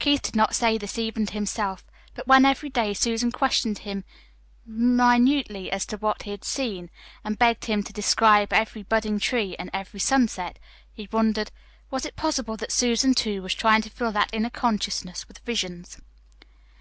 Keith did not say this, even to himself; but when every day Susan questioned him minutely as to what he had seen, and begged him to describe every budding tree and every sunset, he wondered; was it possible that Susan, too, was trying to fill that inner consciousness with visions?